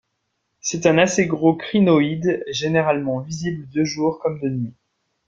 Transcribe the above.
C'est un assez gros crinoïde, généralement visible de jour comme de nuit.